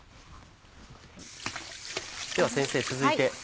では先生続いて。